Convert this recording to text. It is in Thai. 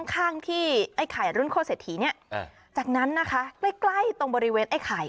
ข้างที่ไอ้ไข่รุ่นโคเศรษฐีเนี่ยจากนั้นนะคะใกล้ใกล้ตรงบริเวณไอ้ไข่